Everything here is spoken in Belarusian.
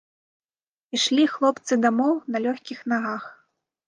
Ішлі хлопцы дамоў на лёгкіх нагах.